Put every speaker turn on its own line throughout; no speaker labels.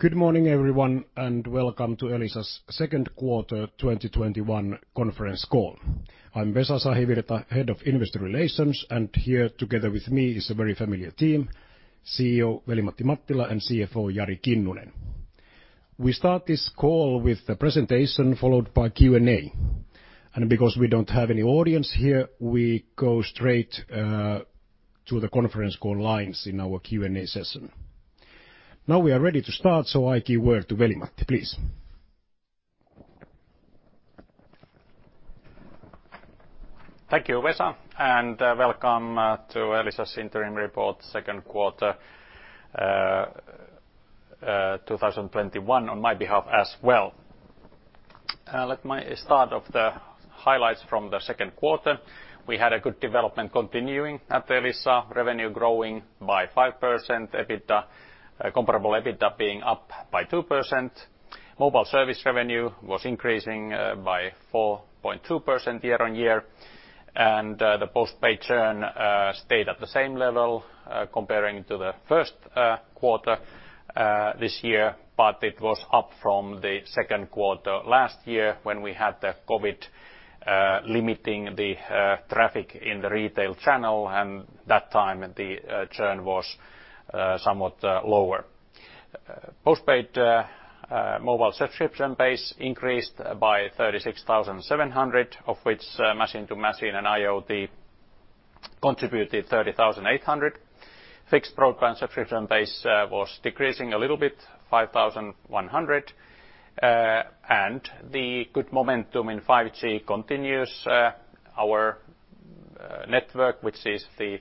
Good morning, everyone, and welcome to Elisa's second quarter 2021 conference call. I'm Vesa Sahivirta, Head of Investor Relations, and here together with me is a very familiar team, CEO Veli-Matti Mattila and CFO Jari Kinnunen. We start this call with the presentation followed by Q&A. Because we don't have any audience here, we go straight to the conference call lines in our Q&A session. We are ready to start. I give word to Veli-Matti, please.
Thank you, Vesa, and welcome to Elisa's interim report second quarter 2021 on my behalf as well. Let me start off the highlights from the second quarter. We had a good development continuing at Elisa, revenue growing by 5%, comparable EBITDA being up by 2%. Mobile service revenue was increasing by 4.2% year-on-year. The post-pay churn stayed at the same level comparing to the first quarter this year, but it was up from the second quarter last year when we had the COVID limiting the traffic in the retail channel, and that time, the churn was somewhat lower. Postpaid mobile subscription base increased by 36,700, of which machine to machine and IoT contributed 30,800. Fixed broadband subscription base was decreasing a little bit, 5,100. The good momentum in 5G continues. Our network, which has the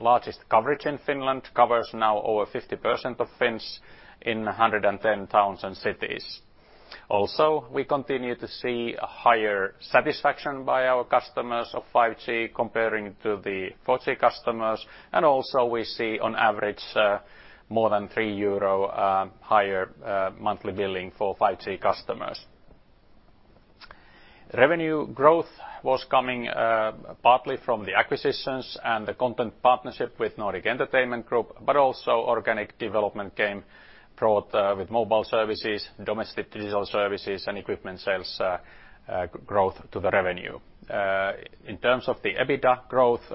largest coverage in Finland, covers now over 50% of Finns in 110 towns and cities. We continue to see a higher satisfaction by our customers of 5G comparing to the 4G customers. We see on average more than 3 euro higher monthly billing for 5G customers. Revenue growth was coming partly from the acquisitions and the content partnership with Nordic Entertainment Group, but also organic development brought with mobile services, domestic digital services, and equipment sales growth to the revenue. In terms of the EBITDA growth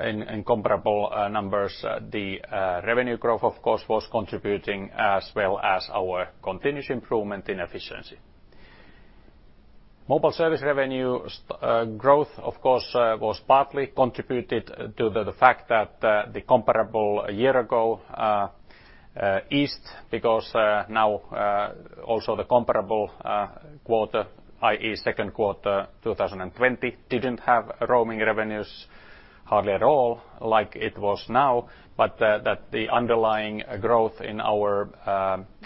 in comparable numbers, the revenue growth, of course, was contributing as well as our continuous improvement in efficiency. Mobile service revenue growth, of course, was partly contributed to the fact that the comparable a year ago eased because now also the comparable quarter, i.e. second quarter 2020, didn't have roaming revenues hardly at all like it was now. The underlying growth in our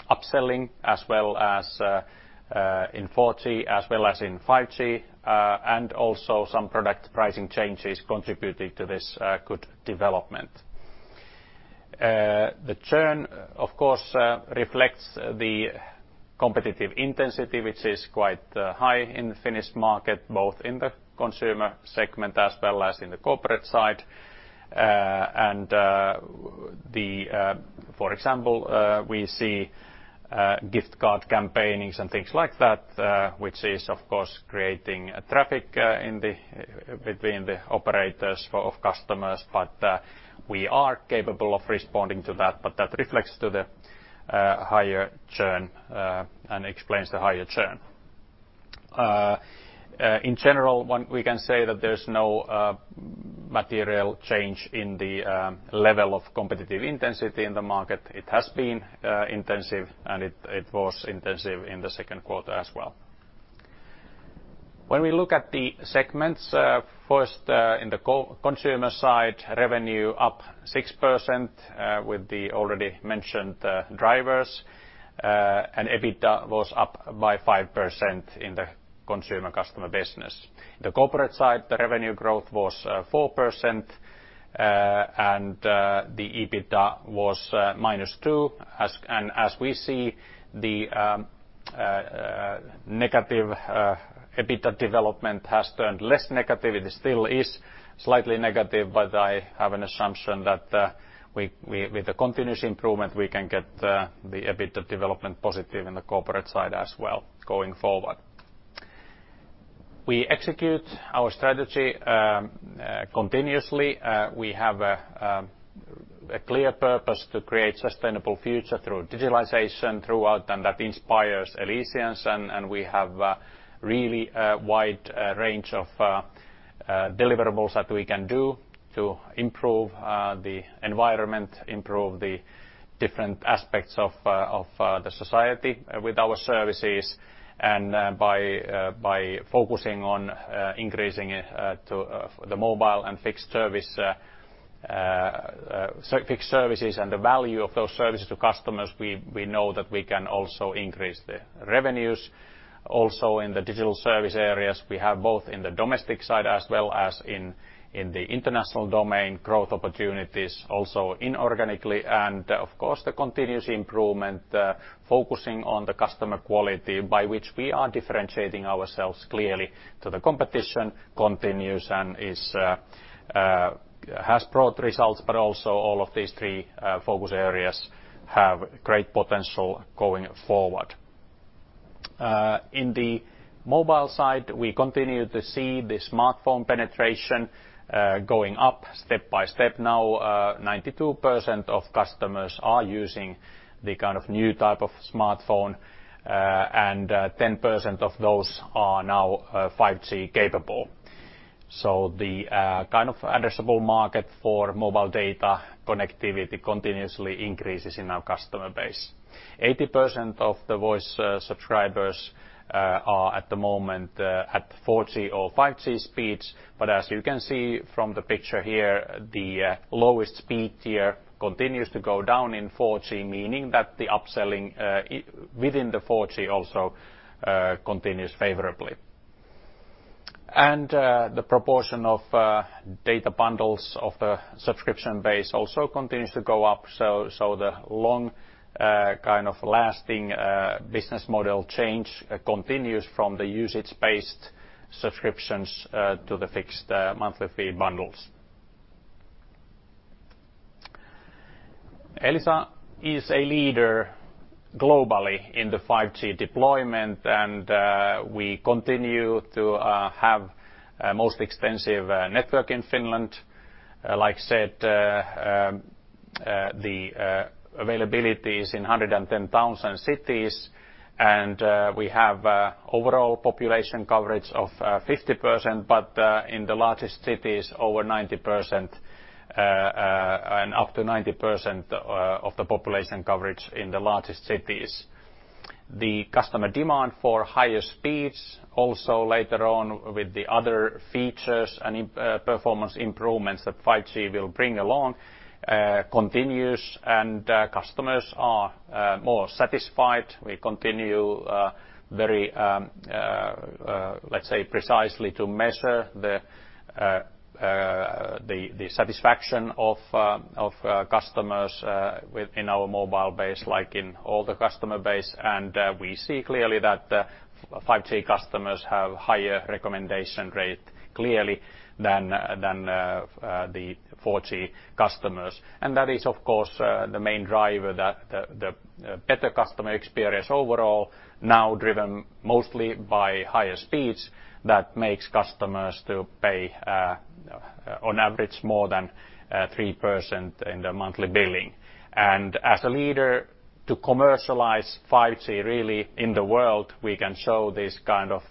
upselling as well as in 4G, as well as in 5G, and also some product pricing changes contributed to this good development. The churn, of course, reflects the competitive intensity, which is quite high in the Finnish market, both in the consumer segment as well as in the corporate side. For example, we see gift card campaigns and things like that which is, of course, creating traffic between the operators of customers, but we are capable of responding to that, but that reflects to the higher churn, and explains the higher churn. In general, we can say that there's no material change in the level of competitive intensity in the market. It has been intensive, and it was intensive in the second quarter as well. When we look at the segments, first in the consumer side, revenue up 6% with the already mentioned drivers. EBITDA was up by 5% in the consumer customer business. The corporate side, the revenue growth was 4%. The EBITDA was minus 2%. As we see, the negative EBITDA development has turned less negative. It still is slightly negative. I have an assumption that with the continuous improvement, we can get the EBITDA development positive in the corporate side as well going forward. We execute our strategy continuously. We have a clear purpose to create sustainable future through digitalization throughout. That inspires Elisians. We have really wide range of deliverables that we can do to improve the environment, improve the different aspects of the society with our services. By focusing on increasing the mobile and fixed services and the value of those services to customers, we know that we can also increase the revenues. In the digital service areas, we have both in the domestic side as well as in the international domain, growth opportunities also inorganically. Of course, the continuous improvement focusing on the customer quality by which we are differentiating ourselves clearly to the competition continues and has brought results, but also all of these three focus areas have great potential going forward. In the mobile side, we continue to see the smartphone penetration going up step by step. Now 92% of customers are using the new type of smartphone, and 10% of those are now 5G capable. The addressable market for mobile data connectivity continuously increases in our customer base. 80% of the voice subscribers are at the moment at 4G or 5G speeds. As you can see from the picture here, the lowest speed tier continues to go down in 4G, meaning that the upselling within the 4G also continues favorably. The proportion of data bundles of the subscription base also continues to go up. The long-lasting business model change continues from the usage-based subscriptions to the fixed monthly fee bundles. Elisa is a leader globally in the 5G deployment, and we continue to have most extensive network in Finland. Like I said, the availability is in 110,000 cities, and we have overall population coverage of 50%, but up to 90% of the population coverage in the largest cities. The customer demand for higher speeds, also later on with the other features and performance improvements that 5G will bring along, continues, and customers are more satisfied. We continue very, let's say, precisely to measure the satisfaction of customers within our mobile base, like in all the customer base. We see clearly that the 5G customers have higher recommendation rate clearly than the 4G customers. That is, of course, the main driver, the better customer experience overall, now driven mostly by higher speeds, that makes customers to pay on average more than 3% in the monthly billing. As a leader to commercialize 5G really in the world, we can show this kind of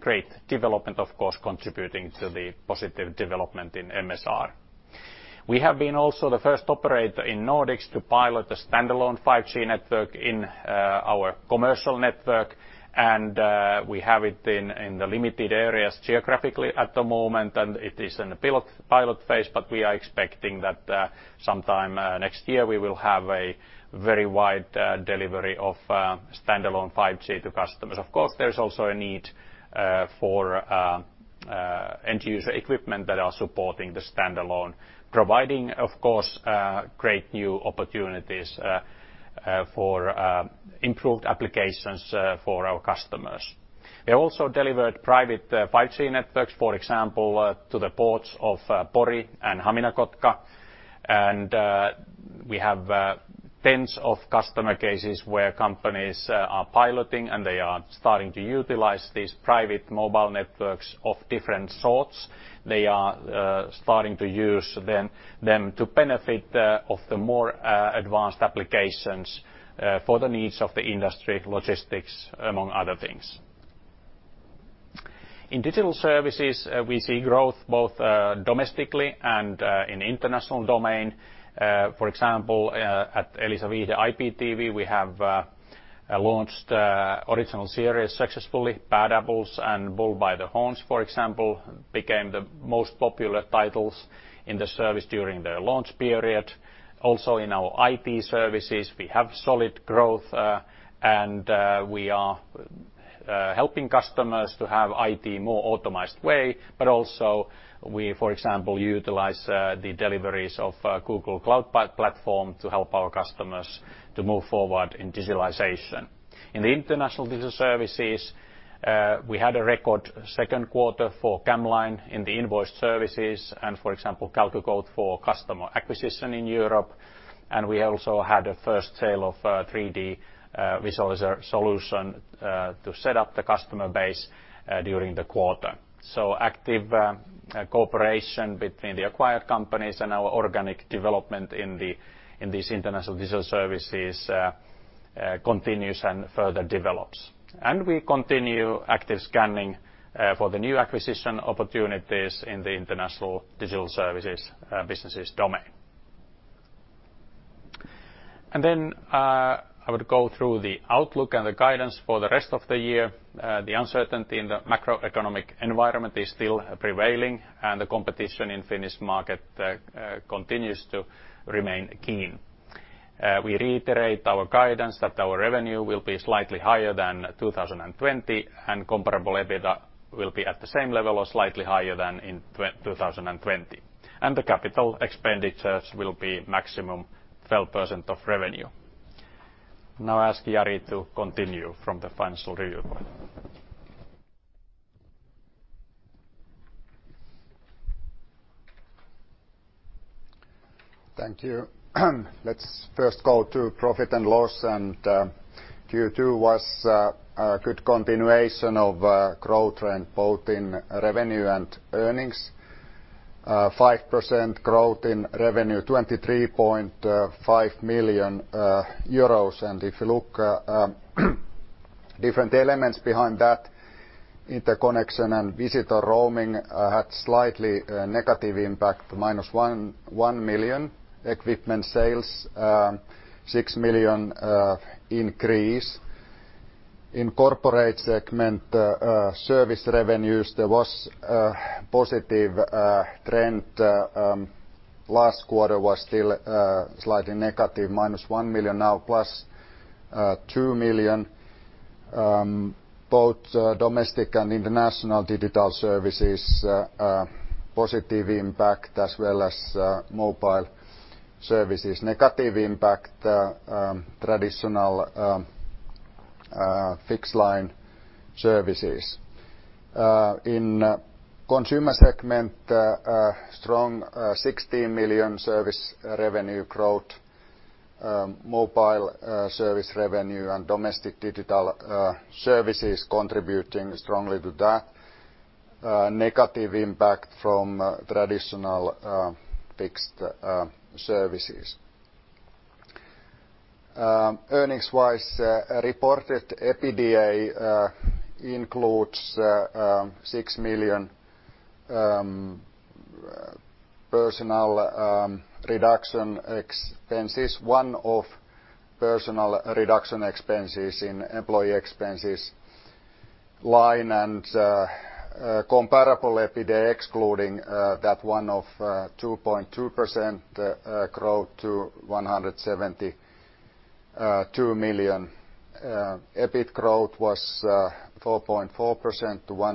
great development, of course, contributing to the positive development in MSR. We have been also the first operator in Nordics to pilot the standalone 5G network in our commercial network, and we have it in the limited areas geographically at the moment, and it is in the pilot phase. We are expecting that sometime next year we will have a very wide delivery of standalone 5G to customers. Of course, there's also a need for end user equipment that are supporting the standalone, providing great new opportunities for improved applications for our customers. We also delivered private 5G networks, for example, to the ports of Pori and HaminaKotka. We have tens of customer cases where companies are piloting and they are starting to utilize these private mobile networks of different sorts. They are starting to use them to benefit of the more advanced applications for the needs of the industry logistics, among other things. In digital services, we see growth both domestically and in international domain. At Elisa Viihde IPTV, we have launched original series successfully. Bad Apples and Bull by the Horns, for example, became the most popular titles in the service during their launch period. In our IT services, we have solid growth, and we are helping customers to have IT more optimized way. We, for example, utilize the deliveries of Google Cloud platform to help our customers to move forward in digitalization. In the international digital services, we had a record second quarter for camLine in the invoice services. I ask Jari to continue from the financial review part.
Thank you. Let's first go to profit and loss. Q2 was a good continuation of growth trend both in revenue and earnings. 5% growth in revenue, 23.5 million euros. If you look at different elements behind that, interconnection and visitor roaming had slightly negative impact, minus 1 million. Equipment sales, 6 million increase. In corporate segment service revenues, there was a positive trend. Last quarter was still slightly negative, minus 1 million, now plus 2 million. Both domestic and international digital services, a positive impact as well as mobile services. Negative impact, traditional fixed line services. In consumer segment, a strong 16 million service revenue growth, mobile service revenue and domestic digital services contributing strongly to that. A negative impact from traditional fixed services. Earnings-wise, reported EBITDA includes EUR 6 million personal reduction expenses, one-off personal reduction expenses in employee expenses line and comparable EBITDA excluding that one-off, 2.2% growth to 172 million. EBIT growth was 4.4% to EUR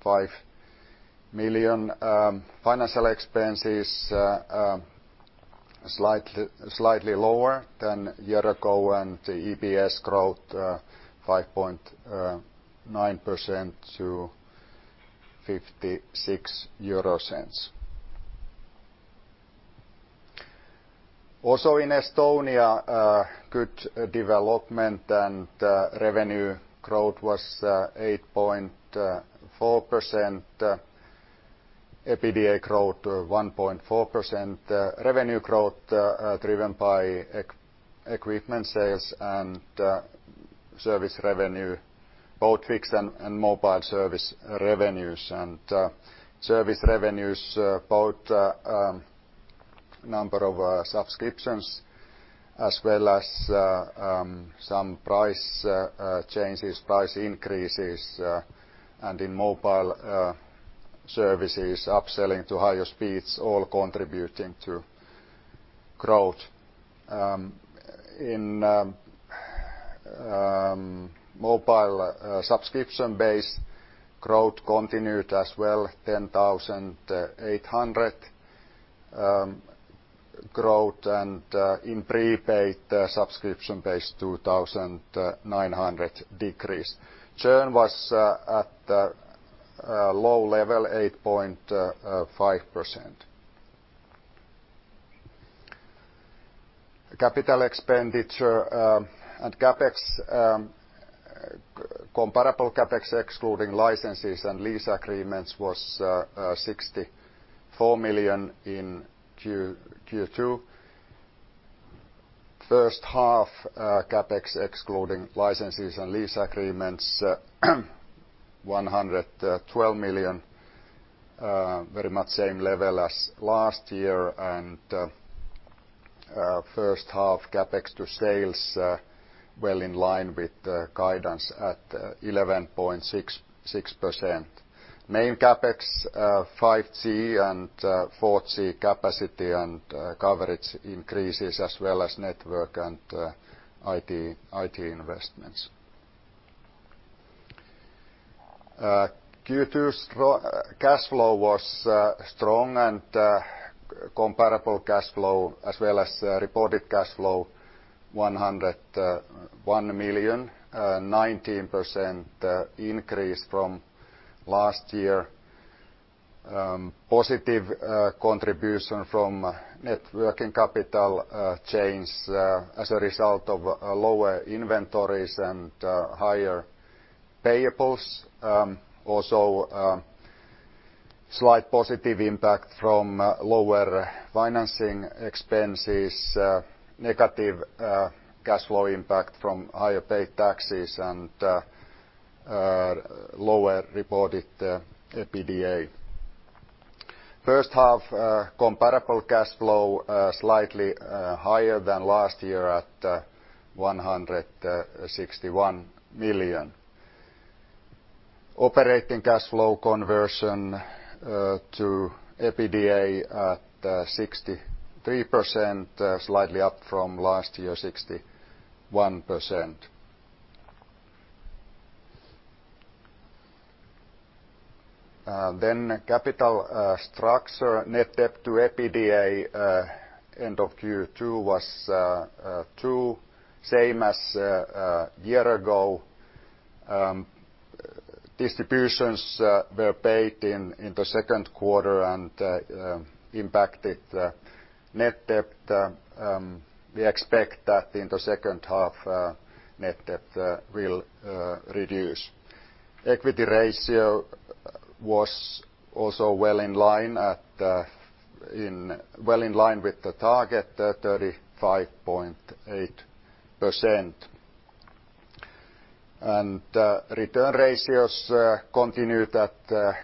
105 million. Financial expenses, slightly lower than a year ago, the EPS growth 5.9% to EUR 0.56. In Estonia, good development and revenue growth was 8.4%. EBITDA growth, 1.4%. Revenue growth driven by equipment sales and service revenue, both fixed and mobile service revenues. Service revenues, both number of subscriptions as well as some price changes, price increases, and in mobile services, upselling to higher speeds, all contributing to growth. In mobile subscription base, growth continued as well, 10,800 growth and in prepaid subscription base 2,900 decrease. Churn was at a low level, 8.5%. Capital expenditure and CapEx, comparable CapEx excluding licenses and lease agreements was 64 million in Q2. First half, CapEx excluding licenses and lease agreements, 112 million. Very much same level as last year and first half CapEx to sales well in line with the guidance at 11.66%. Main CapEx 5G and 4G capacity and coverage increases as well as network and IT investments. Q2's cash flow was strong and comparable cash flow as well as reported cash flow 101 million, a 19% increase from last year. Positive contribution from net working capital chains as a result of lower inventories and higher payables. Also, slight positive impact from lower financing expenses. Negative cash flow impact from higher paid taxes and lower reported EBITDA. First half comparable cash flow slightly higher than last year at 161 million. Operating cash flow conversion to EBITDA at 63%, slightly up from last year, 61%. Capital structure, net debt to EBITDA end of Q2 was 2, same as a year ago. Distributions were paid in the second quarter and impacted the net debt. We expect that in the second half, net debt will reduce. Equity ratio was also well in line with the target, 35.8%. Return ratios continued at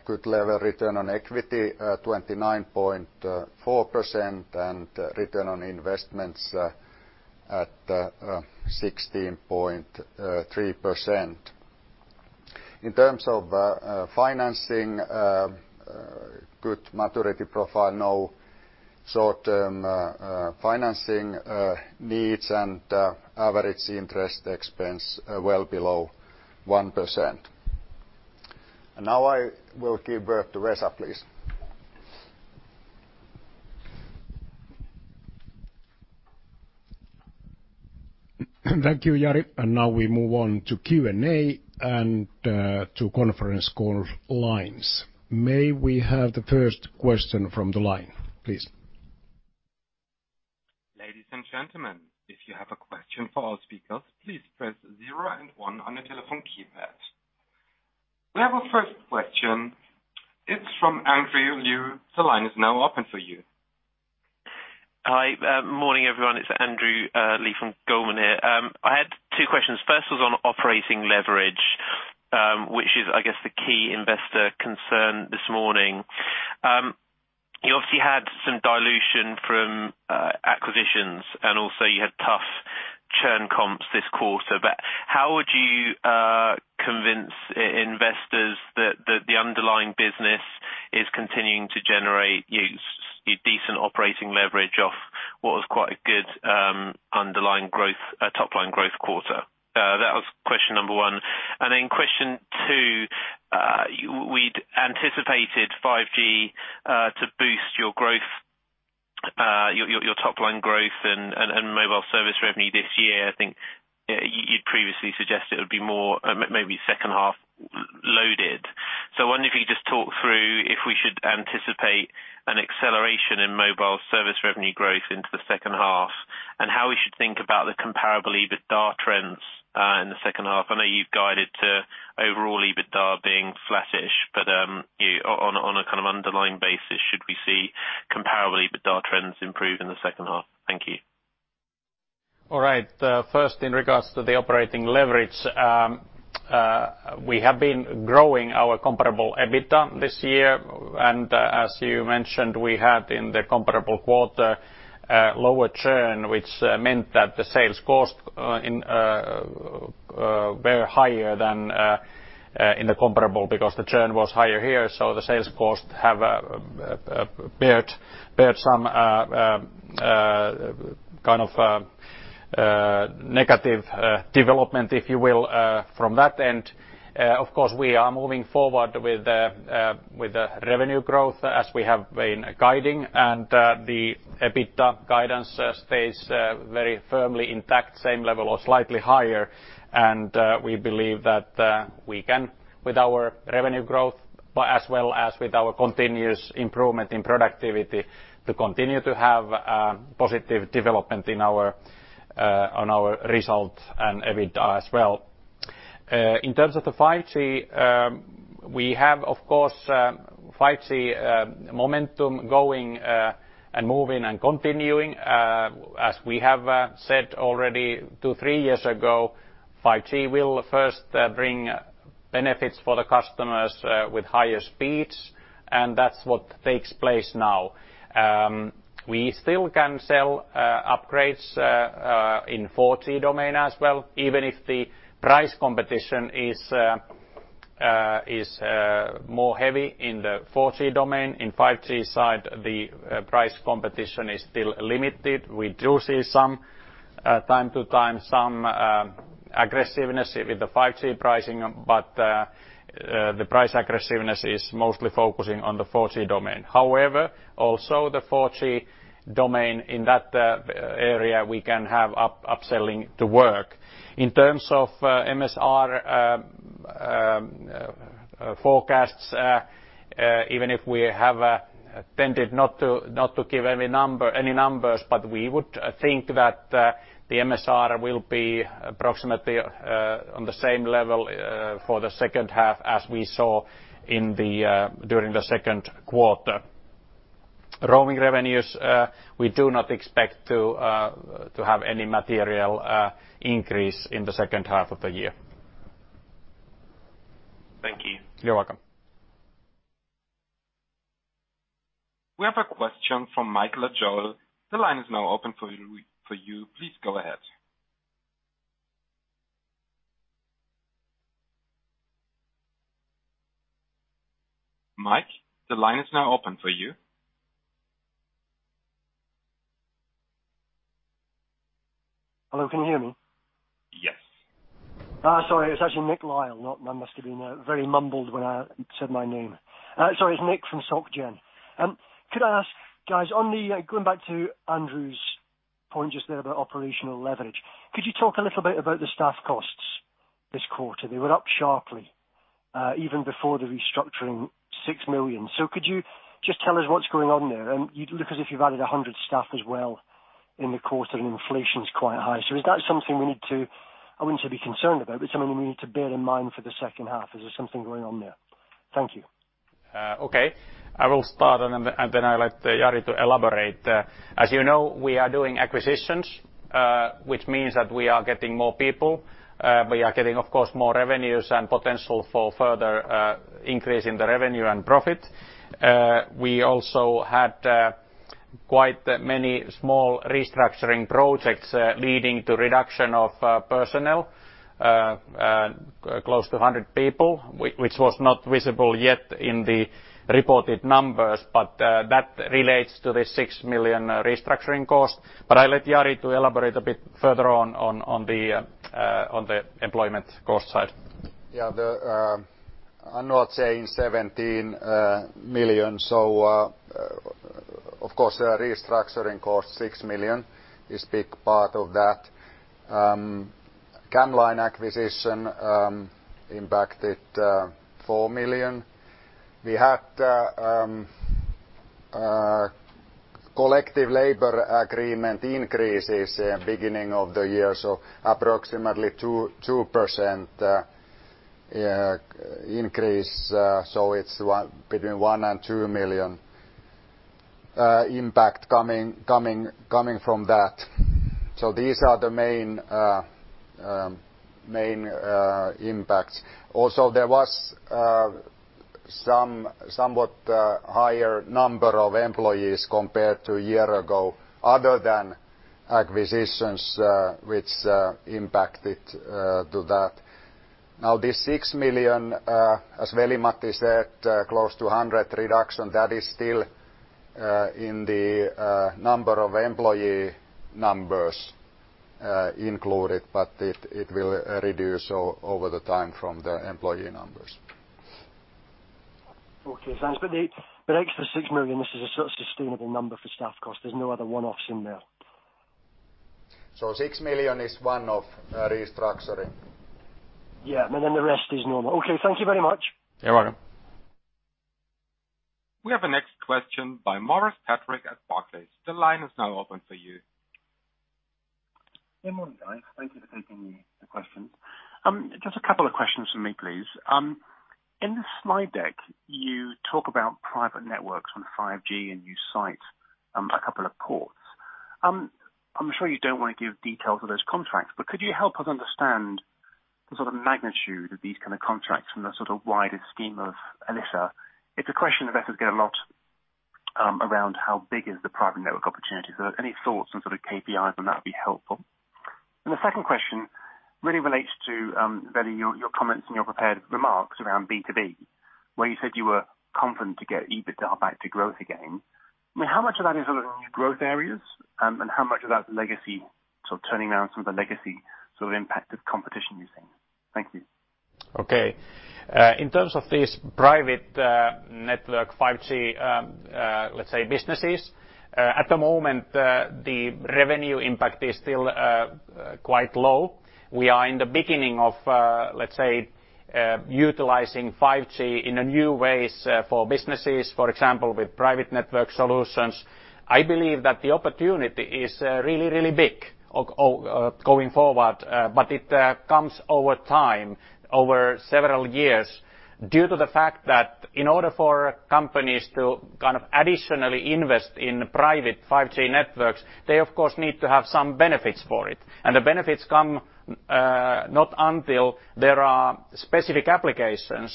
good level, return on equity 29.4% and return on investments at 16.3%. In terms of financing, good maturity profile, no short-term financing needs, and average interest expense well below 1%. Now I will give word to Vesa, please.
Thank you, Jari. Now we move on to Q&A and to conference call lines. May we have the first question from the line, please?
Ladies and gentlemen, if you have a question for our speakers, please press zero and one on your telephone keypad. We have our first question. It is from Andrew Lee. The line is now open for you.
Hi. Morning, everyone. It's Andrew Lee from Goldman here. I had two questions. First was on operating leverage, which is, I guess, the key investor concern this morning. You obviously had some dilution from acquisitions, and also you had tough churn comps this quarter, but how would you convince investors that the underlying business is continuing to generate decent operating leverage off what was quite a good underlying top-line growth quarter? That was question number one. Question two, we'd anticipated 5G to boost your top-line growth and mobile service revenue this year. I think you'd previously suggested it would be more maybe second half loaded. I wonder if you could just talk through if we should anticipate an acceleration in mobile service revenue growth into the second half, and how we should think about the comparable EBITDA trends, in the second half. I know you've guided to overall EBITDA being flattish, but on a kind of underlying basis, should we see comparable EBITDA trends improve in the second half? Thank you.
All right. First, in regards to the operating leverage, we have been growing our comparable EBITDA this year. As you mentioned, we had in the comparable quarter lower churn, which meant that the sales costs were higher than in the comparable because the churn was higher here. The sales costs have borne some kind of negative development, if you will, from that end. Of course, we are moving forward with the revenue growth as we have been guiding, and the EBITDA guidance stays very firmly intact, same level or slightly higher. We believe that we can, with our revenue growth, as well as with our continuous improvement in productivity to continue to have positive development on our results and EBITDA as well. In terms of the 5G, we have, of course, 5G momentum going and moving and continuing. As we have said already two, three years ago, 5G will first bring benefits for the customers with higher speeds, and that's what takes place now. We still can sell upgrades in 4G domain as well, even if the price competition is more heavy in the 4G domain. In 5G side, the price competition is still limited. We do see some, time to time, some aggressiveness with the 5G pricing, but the price aggressiveness is mostly focusing on the 4G domain. However, also the 4G domain in that area we can have upselling to work. In terms of MSR forecasts, even if we have tended not to give any numbers, but we would think that the MSR will be approximately on the same level for the second half as we saw during the second quarter. Roaming revenues, we do not expect to have any material increase in the second half of the year.
Thank you.
You're welcome.
We have a question from Michael Ajole. The line is now open for you. Please go ahead. Mike, the line is now open for you.
Hello, can you hear me?
Yes.
Sorry, it's actually Nick Lyall. I must have been very mumbled when I said my name. Sorry, it's Nick from Société Générale. Could I ask, guys, going back to Andrew's point just there about operational leverage. Could you talk a little bit about the staff costs this quarter? They were up sharply, even before the restructuring 6 million. Could you just tell us what's going on there? You'd look as if you've added 100 staff as well in the course, and inflation's quite high. Is that something we need to I wouldn't say be concerned about, but something we need to bear in mind for the second half. Is there something going on there? Thank you.
Okay. I will start and I'll let Jari to elaborate. As you know, we are doing acquisitions, which means that we are getting more people. We are getting, of course, more revenues and potential for further increase in the revenue and profit. We also had quite many small restructuring projects leading to reduction of personnel, close to 100 people, which was not visible yet in the reported numbers. That relates to the 6 million restructuring cost. I'll let Jari to elaborate a bit further on the employment cost side.
Yeah. I'm now saying 17 million. Of course, the restructuring cost 6 million is big part of that. camLine acquisition impacted EUR 4 million. We had collective labor agreement increases beginning of the year, so approximately 2% increase. It's between 1 million and 2 million impact coming from that. These are the main impacts. Also, there was somewhat higher number of employees compared to a year ago, other than acquisitions which impacted to that. This 6 million, as Veli-Matti said, close to 100 reduction, that is still in the number of employee numbers included, but it will reduce over the time from the employee numbers.
Okay, thanks. The extra 6 million, this is a sustainable number for staff cost. There's no other one-offs in there?
6 million is one-off restructuring.
Yeah, the rest is normal. Okay, thank you very much.
You're welcome.
We have a next question by Maurice Patrick at Barclays. The line is now open for you.
Good morning, guys. Thank you for taking the questions. Just a couple of questions from me, please. In the slide deck, you talk about private networks on 5G, and you cite a couple of projects. I'm sure you don't want to give details of those contracts, but could you help us understand the sort of magnitude of these kind of contracts from the sort of wider scheme of Elisa? It's a question investors get a lot around how big is the private network opportunity. Any thoughts on sort of KPIs on that would be helpful. The second question really relates to, Veli, your comments and your prepared remarks around B2B, where you said you were confident to get EBITDA back to growth again. I mean, how much of that is sort of new growth areas, and how much of that is legacy, sort of turning around some of the legacy sort of impact of competition you're seeing? Thank you.
Okay. In terms of this private network 5G, let's say businesses, at the moment, the revenue impact is still quite low. We are in the beginning of, let's say, utilizing 5G in a new ways for businesses, for example, with private network solutions. I believe that the opportunity is really, really big going forward, but it comes over time, over several years, due to the fact that in order for companies to kind of additionally invest in private 5G networks, they of course need to have some benefits for it. The benefits come not until there are specific applications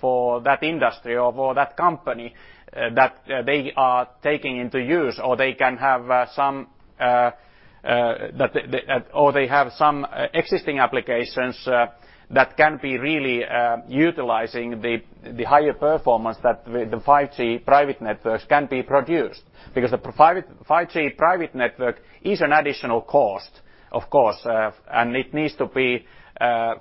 for that industry or for that company that they are taking into use, or they can have some existing applications that can be really utilizing the higher performance that the 5G private networks can be produced. The 5G private network is an additional cost, of course, and it needs to be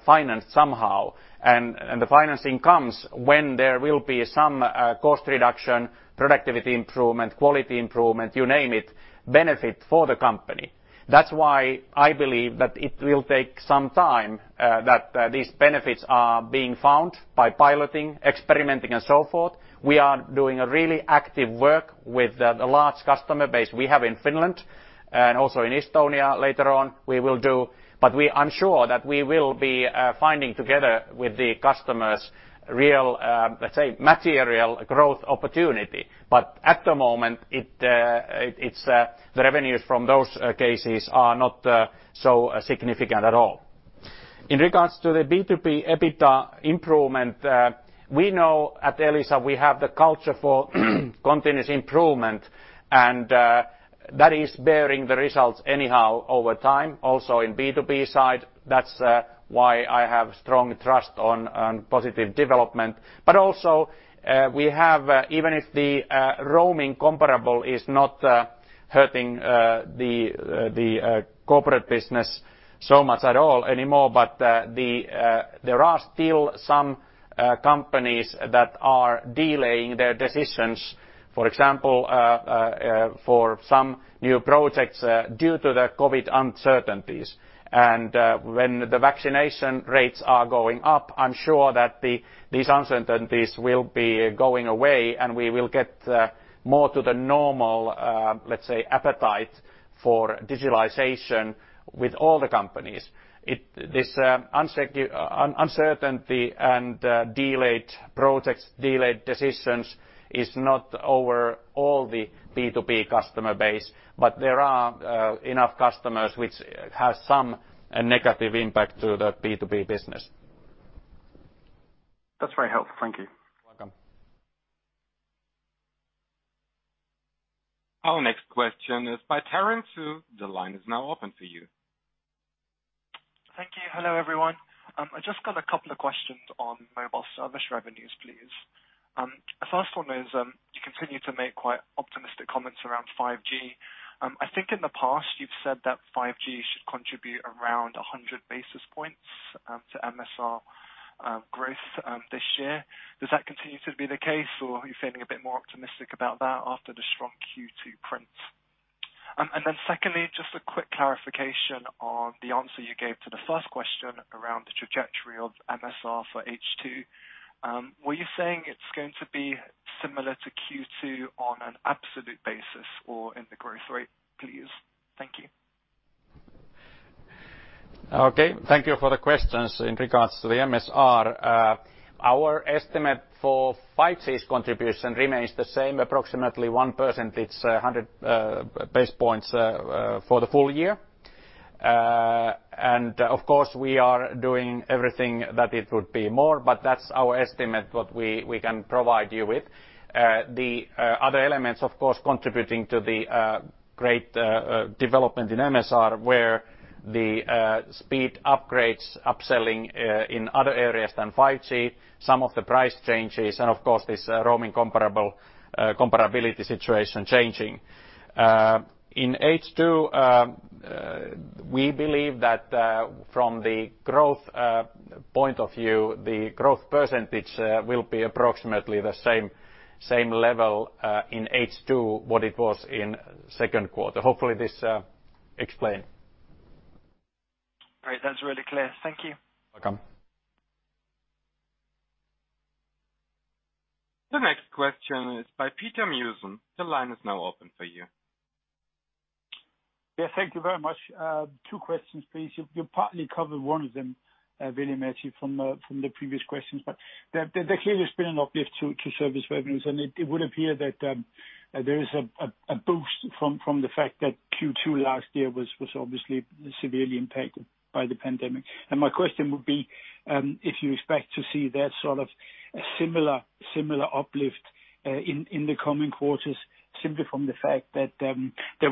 financed somehow. The financing comes when there will be some cost reduction, productivity improvement, quality improvement, you name it, benefit for the company. That's why I believe that it will take some time that these benefits are being found by piloting, experimenting, and so forth. We are doing a really active work with the large customer base we have in Finland, and also in Estonia later on we will do. I'm sure that we will be finding together with the customers real, let's say, material growth opportunity. At the moment, the revenues from those cases are not so significant at all. In regards to the B2B EBITDA improvement, we know at Elisa we have the culture for continuous improvement, and that is bearing the results anyhow over time, also in B2B side. That's why I have strong trust on positive development. Also we have, even if the roaming comparable is not hurting the corporate business so much at all anymore, there are still some companies that are delaying their decisions. For example, for some new projects due to the COVID uncertainties. When the vaccination rates are going up, I'm sure that these uncertainties will be going away, and we will get more to the normal, let's say, appetite for digitalization with all the companies. This uncertainty and delayed projects, delayed decisions is not over all the B2B customer base. There are enough customers which have some negative impact to the B2B business.
That's very helpful. Thank you.
Welcome.
Our next question is by Terence. The line is now open for you.
Thank you. Hello, everyone. I just got a couple of questions on mobile service revenues, please. First one is, you continue to make quite optimistic comments around 5G. I think in the past you've said that 5G should contribute around 100 basis points to MSR growth this year. Does that continue to be the case, or are you feeling a bit more optimistic about that after the strong Q2 print? Secondly, just a quick clarification on the answer you gave to the first question around the trajectory of MSR for H2. Were you saying it's going to be similar to Q2 on an absolute basis or in the growth rate, please? Thank you.
Okay. Thank you for the questions in regards to the MSR. Our estimate for 5G contribution remains the same, approximately 1%. It's 100 base points for the full year. Of course, we are doing everything that it would be more, but that's our estimate, what we can provide you with. The other elements, of course, contributing to the great development in MSR, where the speed upgrades, upselling in other areas than 5G, some of the price changes, and of course, this roaming comparability situation changing. In H2, we believe that from the growth point of view, the growth % will be approximately the same level in H2 what it was in second quarter. Hopefully this explain.
All right. That's really clear. Thank you.
Welcome.
The next question is by Peter Musen. The line is now open for you.
Yeah, thank you very much. Two questions, please. You partly covered one of them, Veli-Matti, from the previous questions. There clearly has been an uplift to service revenues, and it would appear that there is a boost from the fact that Q2 last year was obviously severely impacted by the pandemic. My question would be, if you expect to see that sort of similar uplift in the coming quarters simply from the fact that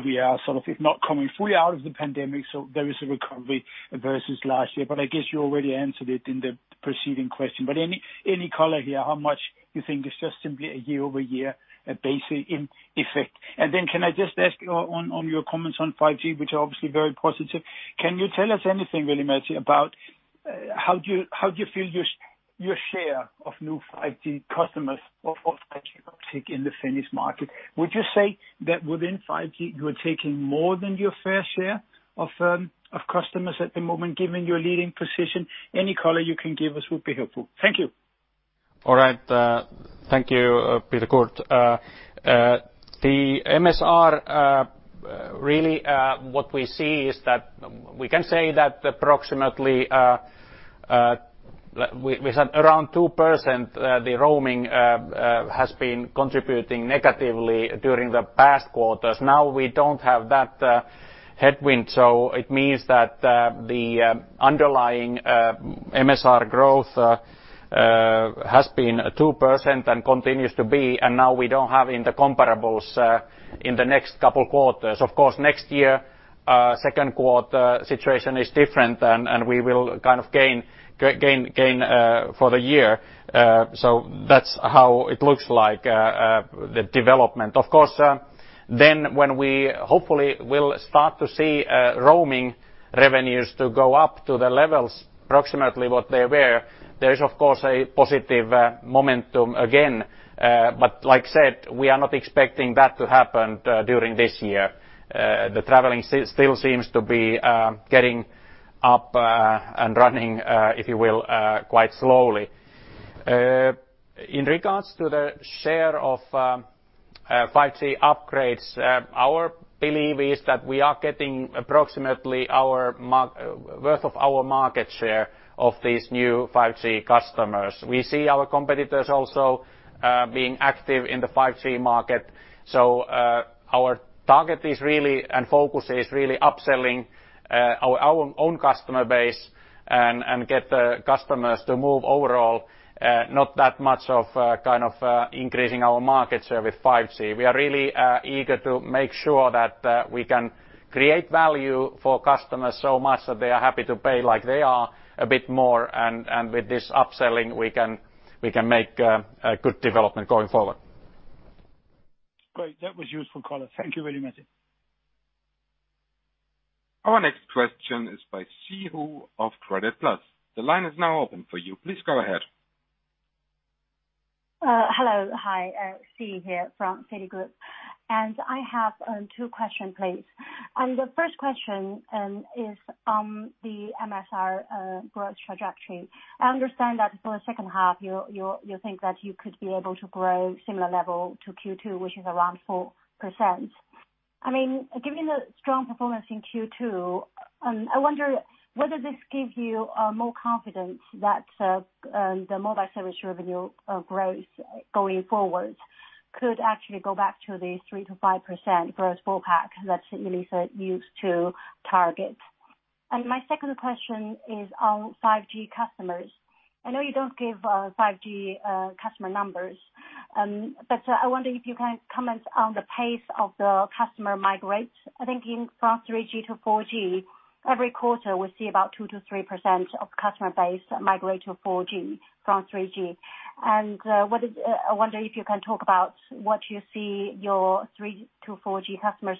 we are sort of, if not coming fully out of the pandemic, so there is a recovery versus last year, but I guess you already answered it in the preceding question. Any color here, how much you think is just simply a year-over-year basic in effect? Can I just ask on your comments on 5G, which are obviously very positive. Can you tell us anything, Veli-Matti, about how do you feel your share of new 5G customers or 5G uptick in the Finnish market? Would you say that within 5G, you are taking more than your fair share of customers at the moment given your leading position? Any color you can give us would be helpful. Thank you.
All right. Thank you, Peter Kurt Nielsen. The MSR, really what we see is that we can say that approximately with around 2%, the roaming has been contributing negatively during the past quarters. Now we don't have that headwind, so it means that the underlying MSR growth has been 2% and continues to be, and now we don't have in the comparables in the next couple quarters. Of course, next year second quarter situation is different, and we will kind of gain for the year. That's how it looks like, the development. Of course, when we hopefully will start to see roaming revenues to go up to the levels approximately what they were, there is of course a positive momentum again. Like I said, we are not expecting that to happen during this year. The traveling still seems to be getting up and running, if you will, quite slowly. In regards to the share of 5G upgrades, our belief is that we are getting approximately worth of our market share of these new 5G customers. We see our competitors also being active in the 5G market. Our target is really, and focus is really upselling our own customer base and get the customers to move overall, not that much of kind of increasing our market share with 5G. We are really eager to make sure that we can create value for customers so much that they are happy to pay like they are a bit more, and with this upselling, we can make a good development going forward.
Great. That was useful color. Thank you, Veli-Matti
Our next question is by Siyi He of Credit Suisse. The line is now open for you. Please go ahead.
Hello. Hi, Si here from Citigroup. I have two question, please. The first question is on the MSR growth trajectory. I understand that for the second half, you think that you could be able to grow similar level to Q2, which is around 4%. Given the strong performance in Q2, I wonder whether this gives you more confidence that the mobile service revenue growth going forward could actually go back to the 3%-5% gross full pack that Elisa used to target. My second question is on 5G customers. I know you don't give 5G customer numbers, I wonder if you can comment on the pace of the customer migrate. I think from 3G to 4G, every quarter we see about 2%-3% of customer base migrate to 4G from 3G. I wonder if you can talk about what you see your 3G to 4G customers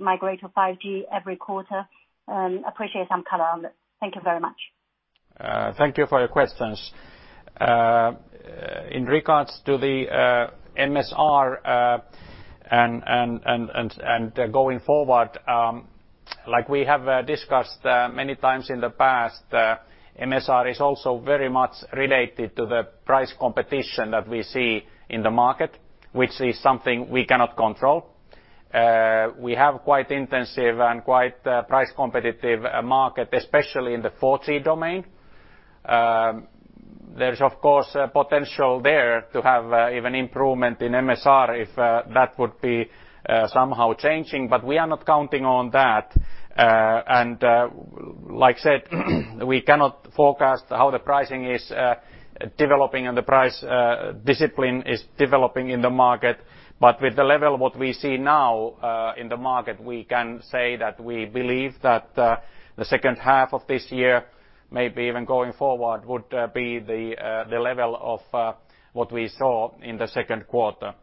migrate to 5G every quarter? Appreciate some color on it. Thank you very much.
Thank you for your questions. In regards to the MSR and going forward, like we have discussed many times in the past, MSR is also very much related to the price competition that we see in the market, which is something we cannot control. We have quite intensive and quite price competitive market, especially in the 4G domain. There's, of course, potential there to have even improvement in MSR if that would be somehow changing. We are not counting on that. Like I said, we cannot forecast how the pricing is developing and the price discipline is developing in the market. With the level what we see now in the market, we can say that we believe that the second half of this year, maybe even going forward, would be the level of what we saw in the second quarter.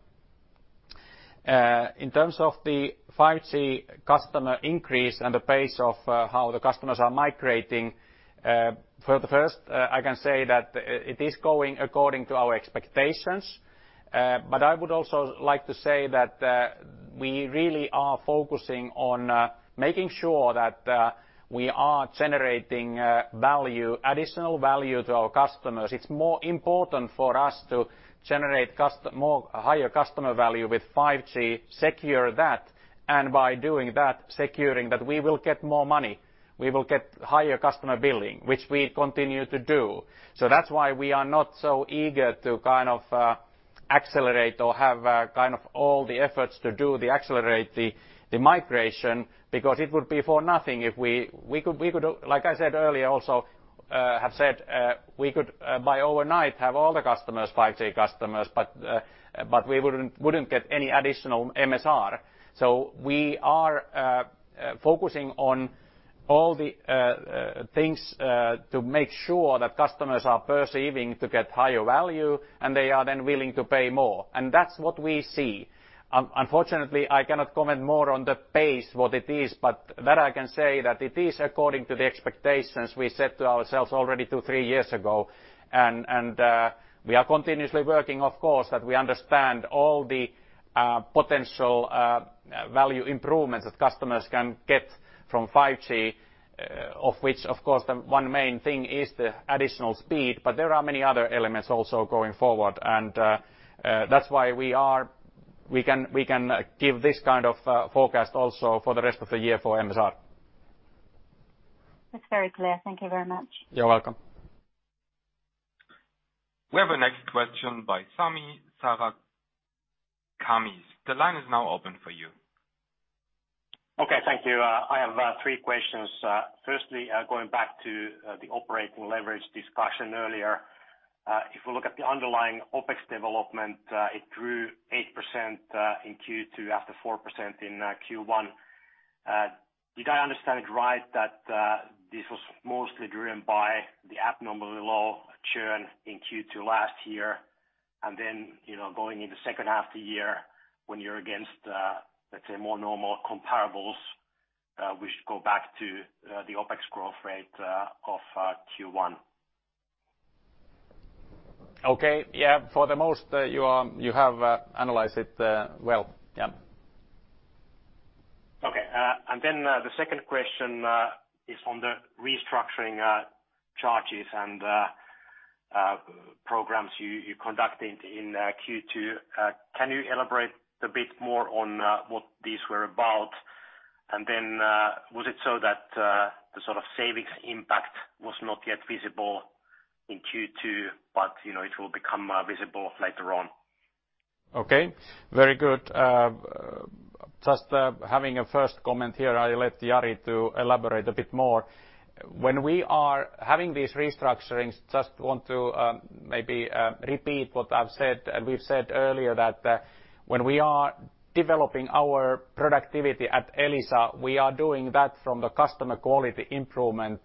In terms of the 5G customer increase and the pace of how the customers are migrating, for the first, I can say that it is going according to our expectations. I would also like to say that we really are focusing on making sure that we are generating additional value to our customers. It's more important for us to generate higher customer value with 5G, secure that, and by doing that, securing that we will get more money. We will get higher customer billing, which we continue to do. That's why we are not so eager to accelerate or have all the efforts to accelerate the migration because it would be for nothing. Like I said earlier also, have said, we could by overnight have all the customers 5G customers, we wouldn't get any additional MSR. We are focusing on all the things to make sure that customers are perceiving to get higher value, and they are then willing to pay more. That's what we see. Unfortunately, I cannot comment more on the pace, what it is, but that I can say that it is according to the expectations we set to ourselves already two, three years ago. We are continuously working, of course, that we understand all the potential value improvements that customers can get from 5G, of which, of course, the one main thing is the additional speed, but there are many other elements also going forward. That's why we can give this kind of forecast also for the rest of the year for MSR.
That's very clear. Thank you very much.
You're welcome.
We have a next question by Sami Sarkamies. The line is now open for you.
Okay. Thank you. I have three questions. Going back to the operating leverage discussion earlier. If we look at the underlying OpEx development, it grew 8% in Q2 after 4% in Q1. Did I understand it right that this was mostly driven by the abnormally low churn in Q2 last year? Going in the second half the year when you're against, let's say, more normal comparables, we should go back to the OpEx growth rate of Q1.
Okay. Yeah. For the most, you have analyzed it well. Yeah.
Okay. The second question is on the restructuring charges and programs you conducted in Q2. Can you elaborate a bit more on what these were about? Was it so that the sort of savings impact was not yet visible in Q2, but it will become visible later on?
Okay. Very good. Just having a first comment here. I let Jari to elaborate a bit more. When we are having these restructurings, just want to maybe repeat what I've said and we've said earlier that when we are developing our productivity at Elisa, we are doing that from the customer quality improvement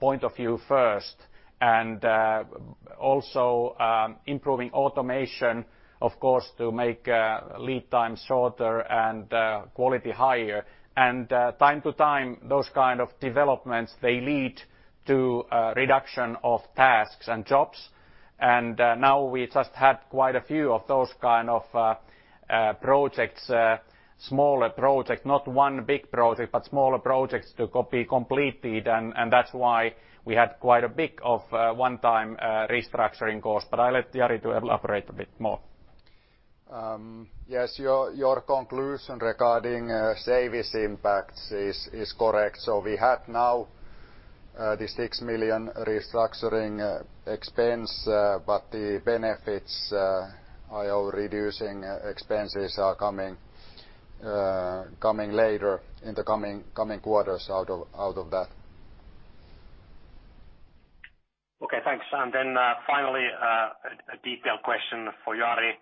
point of view first. Also improving automation, of course, to make lead times shorter and quality higher. Time to time, those kind of developments, they lead to a reduction of tasks and jobs. Now we just had quite a few of those kind of projects, smaller projects. Not one big project, but smaller projects to be completed. That's why we had quite a big of one-time restructuring cost. I'll let Jari to elaborate a bit more.
Yes, your conclusion regarding savings impacts is correct. We have now the 6 million restructuring expense, but the benefits i.e. reducing expenses are coming later in the coming quarters out of that.
Okay, thanks. Finally, a detailed question for Jari.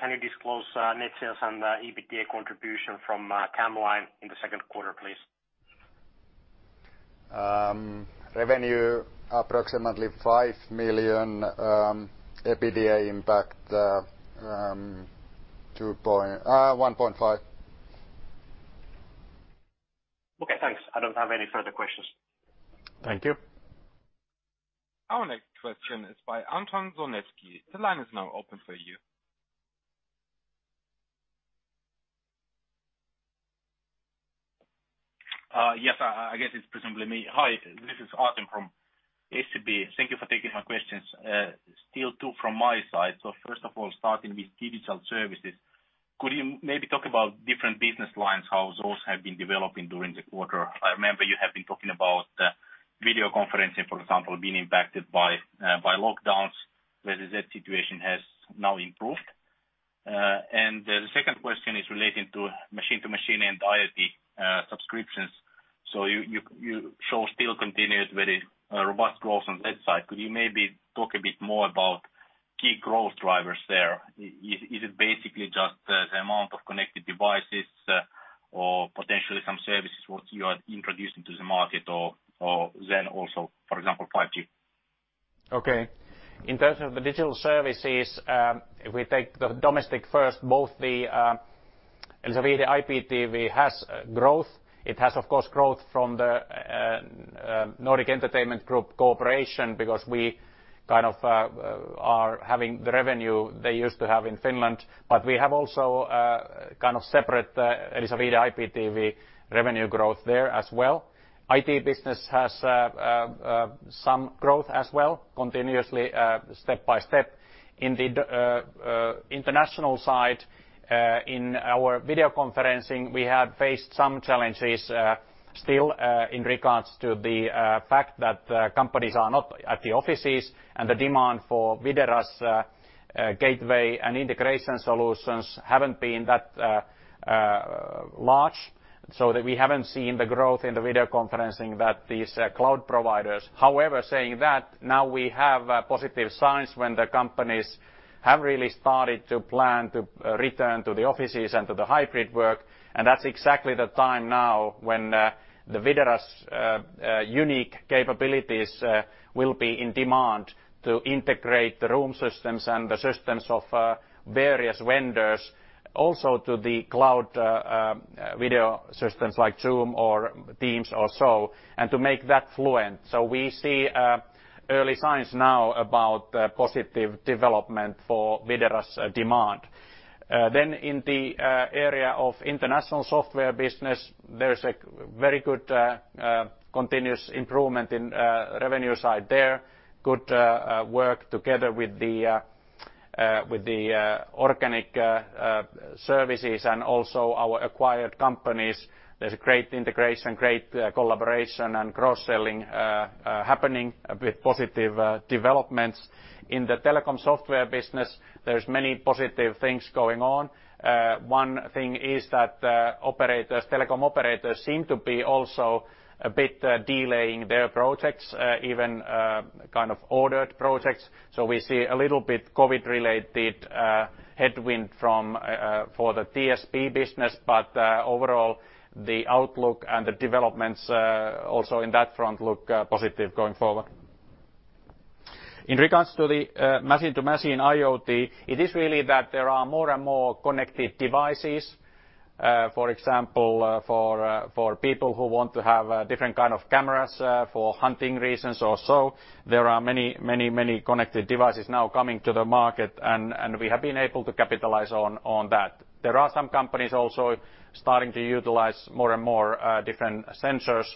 Can you disclose net sales and the EBITDA contribution from camLine in the second quarter, please?
Revenue approximately 5 million, EBITDA impact, 1.5 million.
Okay, thanks. I don't have any further questions.
Thank you.
Our next question is by Anton Zoneski. The line is now open for you.
Yes, I guess it's presumably me. Hi, this is Anton from SEB. Thank you for taking my questions. Still two from my side. First of all, starting with digital services, could you maybe talk about different business lines, how those have been developing during the quarter? I remember you have been talking about video conferencing, for example, being impacted by lockdowns. Whether that situation has now improved? The second question is relating to machine to machine and IoT subscriptions. You show still continuous, very robust growth on that side. Could you maybe talk a bit more about key growth drivers there? Is it basically just the amount of connected devices or potentially some services, what you are introducing to the market or then also, for example, 5G?
In terms of the digital services, if we take the domestic first, both the Elisa Viihde IPTV has growth. It has, of course, growth from the Nordic Entertainment Group cooperation because we kind of are having the revenue they used to have in Finland. We have also kind of separate Elisa Viihde IPTV revenue growth there as well. IT business has some growth as well, continuously, step by step. In the international side, in our video conferencing, we have faced some challenges still in regards to the fact that companies are not at the offices, and the demand for Video as a gateway and integration solutions haven't been that large, so that we haven't seen the growth in the video conferencing that these cloud providers. However, saying that, now we have positive signs when the companies have really started to plan to return to the offices and to the hybrid work. That's exactly the time now when the Video as a unique capabilities will be in demand to integrate the room systems and the systems of various vendors, also to the cloud video systems like Zoom or Teams or so, and to make that fluent. We see early signs now about positive development for Video as a demand. In the area of international software business, there is a very good continuous improvement in revenue side there. Good work together with the organic services and also our acquired companies. There's a great integration, great collaboration, and cross-selling happening with positive developments. In the telecom software business, there's many positive things going on. One thing is that operators, telecom operators seem to be also a bit delaying their projects, even kind of ordered projects. We see a little bit COVID-related headwind for the TSP business, but overall, the outlook and the developments also in that front look positive going forward. In regards to the machine to machine IoT, it is really that there are more and more connected devices. For example for people who want to have different kind of cameras for hunting reasons or so, there are many connected devices now coming to the market, and we have been able to capitalize on that. There are some companies also starting to utilize more and more different sensors.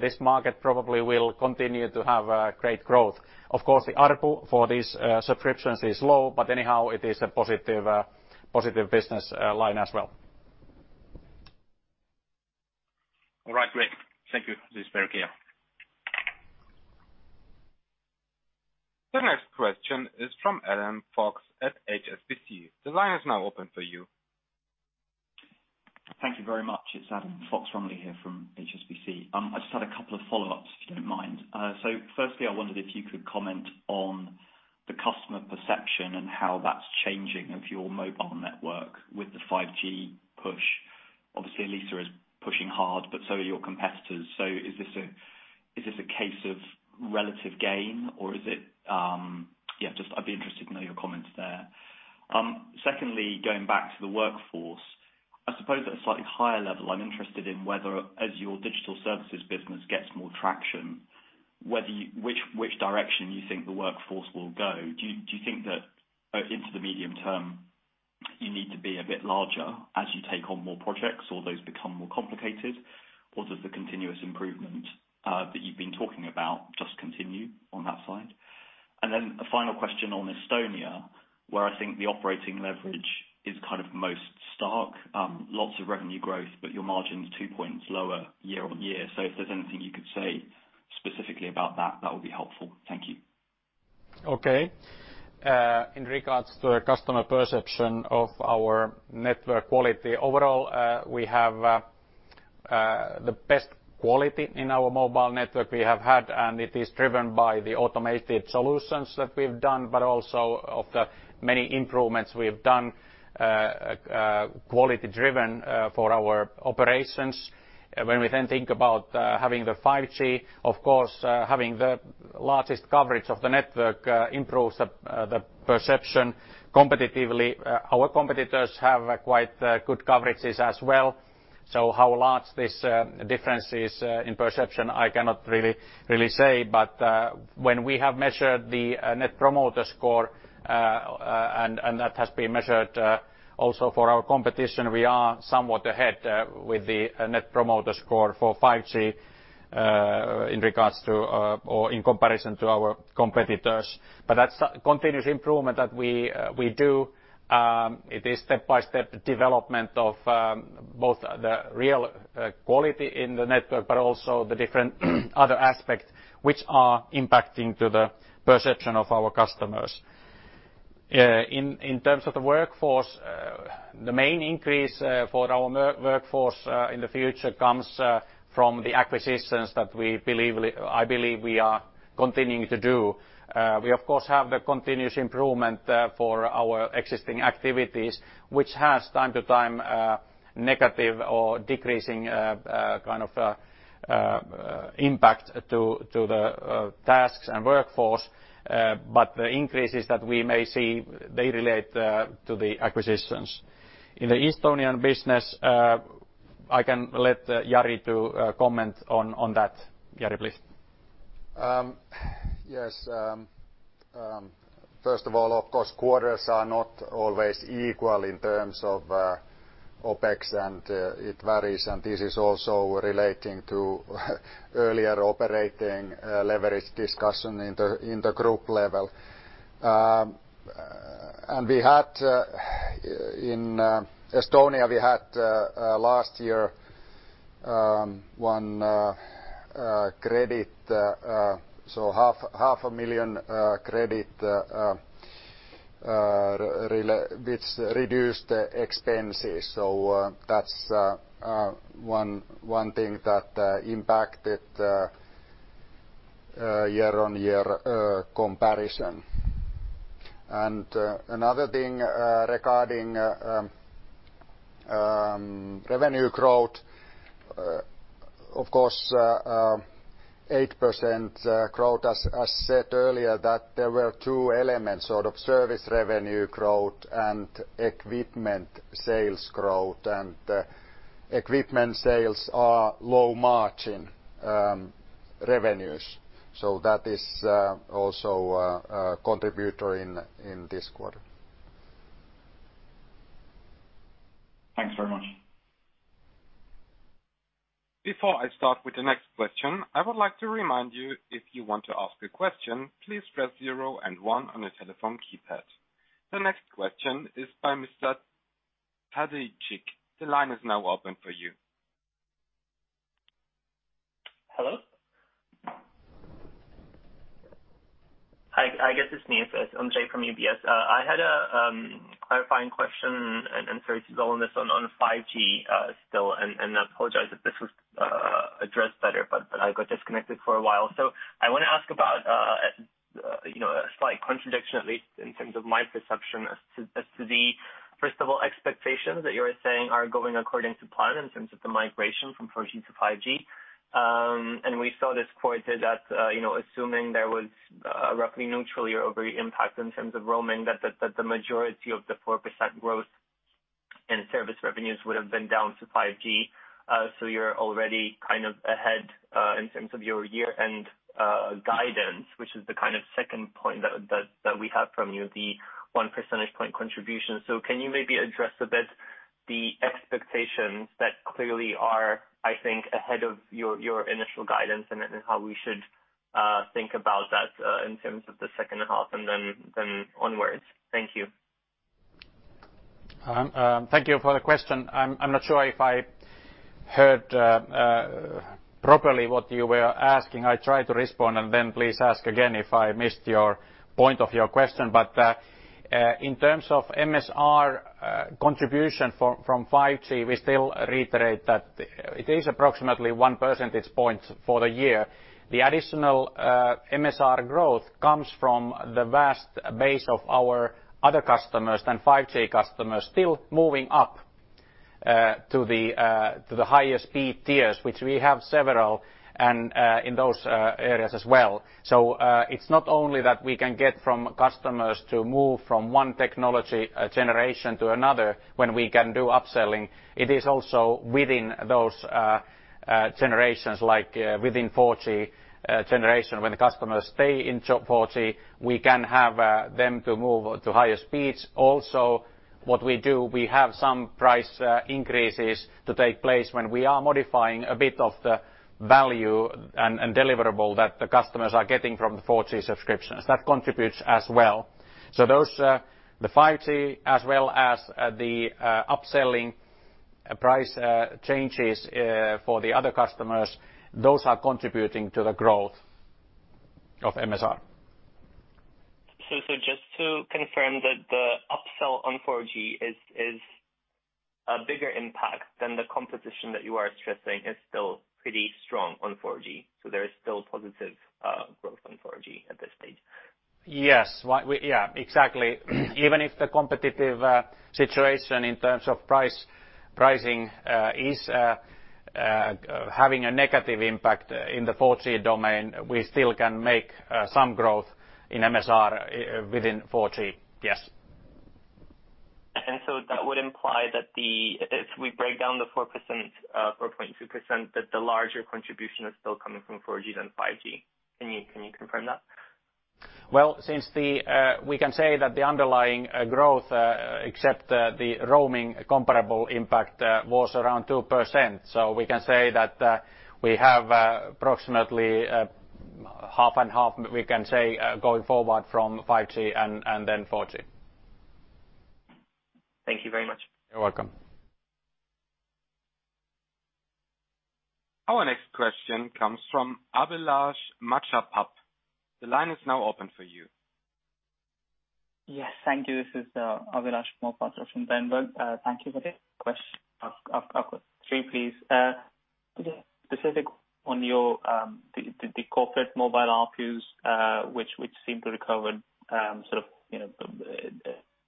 This market probably will continue to have great growth. Of course, the ARPU for these subscriptions is low, but anyhow, it is a positive business line as well.
All right, great. Thank you. This is very clear.
The next question is from Adam Fox-Rumley at HSBC. The line is now open for you.
Thank you very much. It's Adam Fox-Rumley here from HSBC. I just had a couple of follow-ups, if you don't mind. Firstly, I wondered if you could comment on the customer perception and how that's changing of your mobile network with the 5G push. Obviously, Elisa is pushing hard, but so are your competitors. Is this a case of relative gain or is it Yeah, just I'd be interested to know your comments there. Secondly, going back to the workforce, I suppose at a slightly higher level, I'm interested in whether, as your digital services business gets more traction, which direction you think the workforce will go. Do you think that into the medium term you need to be a bit larger as you take on more projects or those become more complicated? Does the continuous improvement that you've been talking about just continue on that side? A final question on Estonia, where I think the operating leverage is kind of most stark. Lots of revenue growth, but your margin is two points lower year-on-year. If there's anything you could say specifically about that would be helpful. Thank you.
Okay. In regards to the customer perception of our network quality, overall we have the best quality in our mobile network we have had, and it is driven by the automated solutions that we've done, but also of the many improvements we have done, quality driven for our operations. When we think about having the 5G, of course, having the largest coverage of the network improves the perception competitively. Our competitors have quite good coverages as well. How large this difference is in perception, I cannot really say. When we have measured the net promoter score, and that has been measured also for our competition, we are somewhat ahead with the net promoter score for 5G in regards to or in comparison to our competitors. That's continuous improvement that we do. It is step-by-step development of both the real quality in the network, but also the different other aspects which are impacting to the perception of our customers. In terms of the workforce, the main increase for our workforce in the future comes from the acquisitions that I believe we are continuing to do. We, of course, have the continuous improvement for our existing activities, which has time to time negative or decreasing kind of impact to the tasks and workforce. The increases that we may see, they relate to the acquisitions. In the Estonian business, I can let Jari to comment on that. Jari, please.
Yes. First of all, of course, quarters are not always equal in terms of OpEx, it varies. This is also relating to earlier operating leverage discussion in the group level. In Estonia, we had last year one credit, so EUR half a million credit which reduced the expenses. That's one thing that impacted year-on-year comparison. Another thing regarding revenue growth, of course, 8% growth, as said earlier, that there were two elements, sort of service revenue growth and equipment sales growth. Equipment sales are low margin revenues. That is also a contributor in this quarter.
Thanks very much.
Before I start with the next question, I would like to remind you, if you want to ask a question, please press zero and one on your telephone keypad. The next question is by Mr. Cabejsek. The line is now open for you.
Hello. I guess it's me. It's Ondrej from UBS. I had a clarifying question, and sorry to go on this, on 5G still, and I apologize if this was addressed better, but I got disconnected for a while. I want to ask about a slight contradiction, at least in terms of my perception as to the, first of all, expectations that you're saying are going according to plan in terms of the migration from 4G to 5G. We saw this quoted that assuming there was roughly neutral year-over-year impact in terms of roaming, that the majority of the 4% growth in service revenues would have been down to 5G. You're already kind of ahead in terms of your year-end guidance, which is the kind of second point that we have from you, the one percentage point contribution. Can you maybe address a bit the expectations that clearly are, I think, ahead of your initial guidance and how we should think about that in terms of the second half and then onwards? Thank you.
Thank you for the question. I'm not sure if I heard properly what you were asking. I try to respond and then please ask again if I missed your point of your question. In terms of MSR contribution from 5G, we still reiterate that it is approximately 1 percentage point for the year. The additional MSR growth comes from the vast base of our other customers than 5G customers still moving up to the highest speed tiers, which we have several and in those areas as well. It is not only that we can get from customers to move from one technology generation to another when we can do upselling. It is also within those generations like within 4G generation, when customers stay in 4G, we can have them to move to higher speeds. Also, what we do, we have some price increases to take place when we are modifying a bit of the value and deliverable that the customers are getting from the 4G subscriptions. That contributes as well. Those, the 5G as well as the upselling price changes for the other customers, those are contributing to the growth of MSR.
Just to confirm that the upsell on 4G is a bigger impact than the competition that you are stressing is still pretty strong on 4G. There is still positive growth on 4G at this stage.
Yes. Exactly. Even if the competitive situation in terms of pricing is having a negative impact in the 4G domain, we still can make some growth in MSR within 4G. Yes.
That would imply that if we break down the 4.2%, that the larger contribution is still coming from 4G than 5G. Can you confirm that?
Since we can say that the underlying growth except the roaming comparable impact was around 2%. We can say that we have approximately half and half, we can say, going forward from 5G and then 4G.
Thank you very much.
You're welcome.
Our next question comes from Abhilash Mohapatra. The line is now open for you.
Yes. Thank you. This is Abhilash Mohapatra from Berenberg. Thank you for the question. I've got 3 please. The specific on your the corporate mobile ARPUs which seem to recover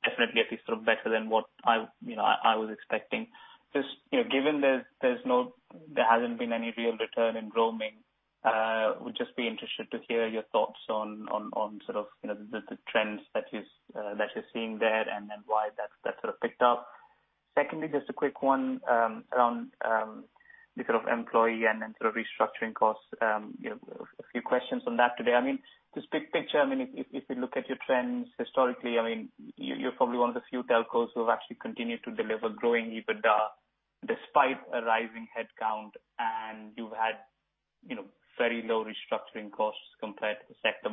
definitely at least better than what I was expecting. Given there hasn't been any real return in roaming, would just be interested to hear your thoughts on the trends that you're seeing there and then why that sort of picked up. Secondly, just a quick one around the sort of employee and then sort of restructuring costs. A few questions on that today. I mean, just big picture if we look at your trends historically, you're probably one of the few telcos who have actually continued to deliver growing EBITDA despite a rising headcount, and you've had very low restructuring costs compared to the sector.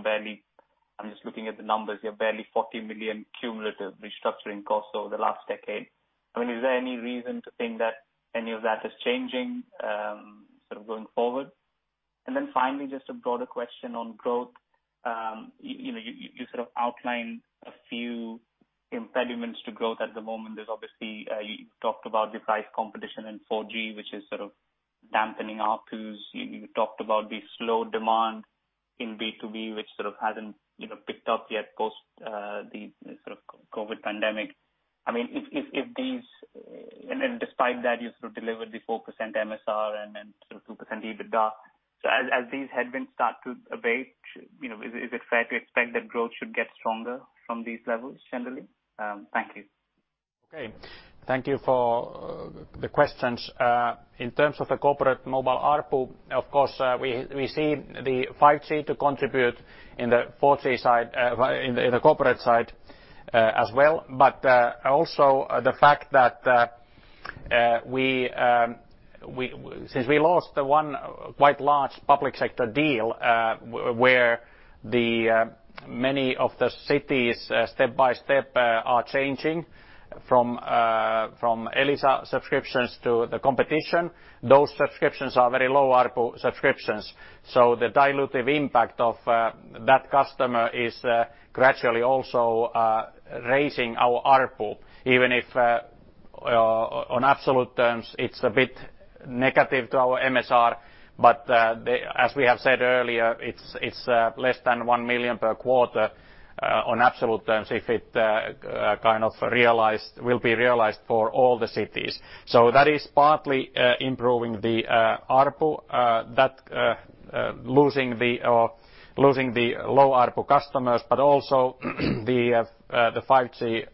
I'm just looking at the numbers, you have barely 40 million cumulative restructuring costs over the last decade. I mean, is there any reason to think that any of that is changing going forward? Finally, just a broader question on growth. You outlined a few impediments to growth at the moment. There's obviously you talked about your price competition in 4G, which is dampening ARPUs. You talked about the slow demand in B2B, which hasn't picked up yet post the COVID pandemic. Despite that, you sort of delivered the 4% MSR and then 2% EBITDA. As these headwinds start to abate, is it fair to expect that growth should get stronger from these levels generally? Thank you.
Okay. Thank you for the questions. In terms of the corporate mobile ARPU, of course, we see the 5G to contribute in the corporate side as well. Also the fact that since we lost the one quite large public sector deal where many of the cities step by step are changing from Elisa subscriptions to the competition. Those subscriptions are very low ARPU subscriptions. The dilutive impact of that customer is gradually also raising our ARPU, even if on absolute terms it's a bit negative to our MSR. As we have said earlier, it's less than 1 million per quarter on absolute terms if it will be realized for all the cities. That is partly improving the ARPU, that losing the low ARPU customers, but also the 5G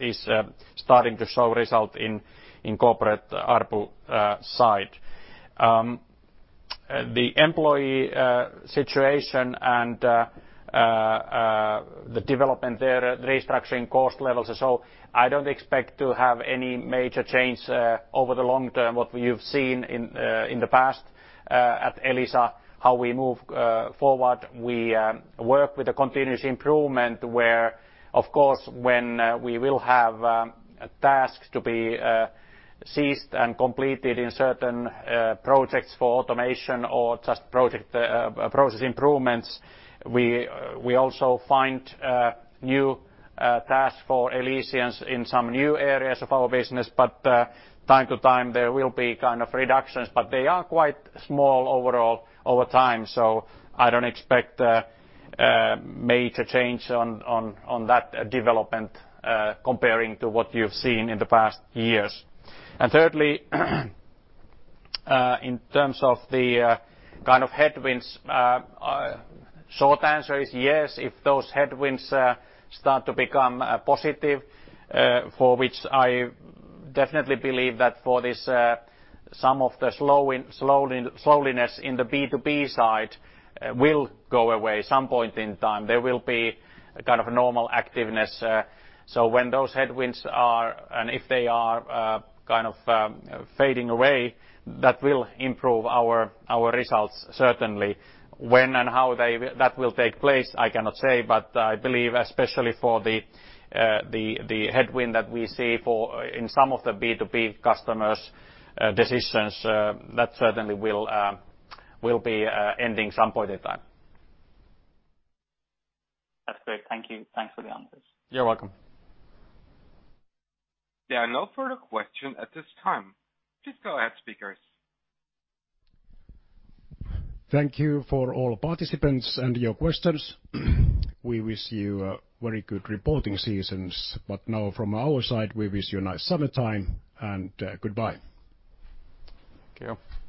is starting to show result in corporate ARPU side. The employee situation and the development there, the restructuring cost levels and so, I don't expect to have any major change over the long term what you've seen in the past at Elisa how we move forward. We work with a continuous improvement where of course when we will have tasks to be seized and completed in certain projects for automation or just process improvements, we also find new tasks for Elisians in some new areas of our business. Time to time there will be kind of reductions, but they are quite small overall over time. I don't expect major change on that development comparing to what you've seen in the past years. Thirdly, in terms of the kind of headwinds, short answer is yes. If those headwinds start to become positive, for which I definitely believe that for this some of the slowness in the B2B side will go away some point in time. There will be a kind of normal activeness. When those headwinds are, and if they are kind of fading away, that will improve our results certainly. When and how that will take place, I cannot say, but I believe especially for the headwind that we see in some of the B2B customers' decisions, that certainly will be ending some point in time.
That's great. Thank you. Thanks for the answers.
You're welcome.
There are no further questions at this time. Please go ahead, speakers.
Thank you for all participants and your questions. We wish you a very good reporting seasons. Now from our side we wish you a nice summertime, and goodbye.
Thank you.